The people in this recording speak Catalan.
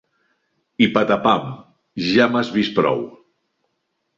I patapam, ja m'has vist prou.